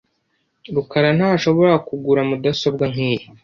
rukara ntashobora kugura mudasobwa nkiyi .